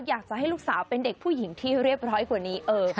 อยากจะให้ลูกสาวเป็นเด็กผู้หญิงที่เรียบร้อยกว่านี้